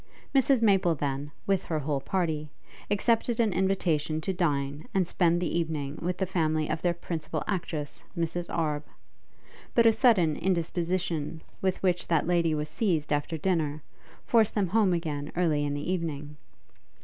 Mrs Maple then, with her whole party, accepted an invitation to dine and spend the evening with the family of their principal actress, Miss Arbe; but a sudden indisposition with which that lady was seized after dinner, forced them home again early in the evening.